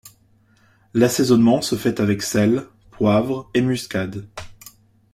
L'assaisonnement se fait avec sel, poivre et muscade.